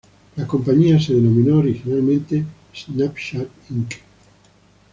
La compañía se denominó originalmente Snapchat Inc.